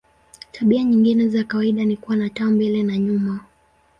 Tabia nyingine za kawaida ni kuwa na taa mbele na nyuma.